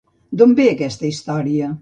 D'on ve aquesta història?